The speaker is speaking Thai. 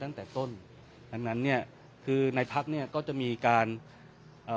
ตั้งแต่ต้นดังนั้นเนี้ยคือในพักเนี้ยก็จะมีการเอ่อ